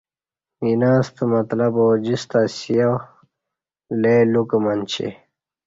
اینہ ستہ مطلب اوجیستہ اسِیا لئ لُوکہ منچی